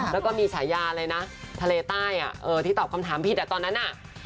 แล้วก็มีฉายาทะเลใต้ที่ตอบคำถามผิดตอนนั้น